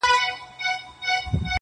زه مي پر خپلي بې وسۍ باندي تکيه کومه.